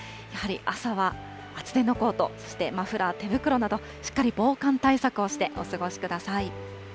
やはり朝は厚手のコート、そしてマフラー、手袋など、しっかり防寒対策をしてお過ごしください。